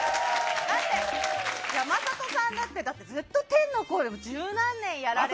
だって山里さんだってずっと天の声を十何年やられていて。